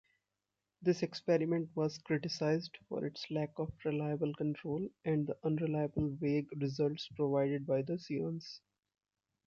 This experiment was criticized for its lack of reliable control and the unreliable vague results provided by the seance.